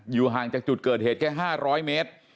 ห่างจากจุดเกิดเหตุแค่๕๐๐เมตร